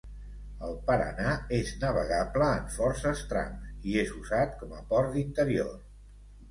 El Paraná és navegable en forces trams, i és usat com a port d'interior.